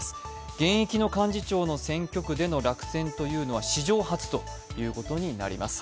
現役の幹事長の選挙区での落選というのは史上初ということになります。